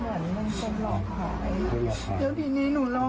แต่พวกหนูหนูโม่เองนะคะรู้ไม่ทันเขา